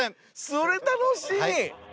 それ楽しみ！